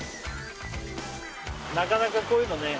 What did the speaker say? なかなかこういうのね